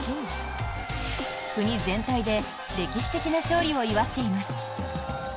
国全体で歴史的な勝利を祝っています。